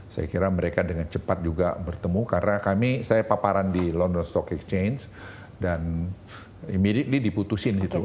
saya kira mereka dengan cepat juga bertemu karena kami saya paparan di london stock exchange dan ini diputusin gitu